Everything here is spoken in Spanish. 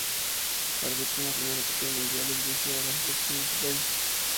Arbitró en la primera copa mundial y dirigió a la selección de su país.